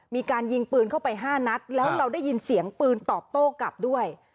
มีการยิงปืนเข้าไป๕นัดแล้วเราได้ยินเสียงปืนตอบโต้กลับด้วย